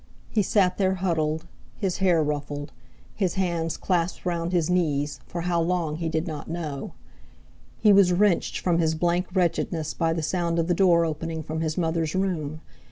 He sat there huddled, his hair ruffled, his hands clasped round his knees, for how long he did not know. He was wrenched from his blank wretchedness by the sound of the door opening from his mother's room.